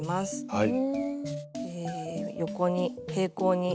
はい。